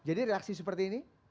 jadi reaksi seperti ini